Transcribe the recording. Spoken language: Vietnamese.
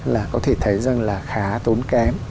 là có thể thấy rằng là khá tốn kém